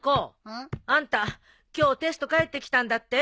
うん？あんた今日テスト返ってきたんだって？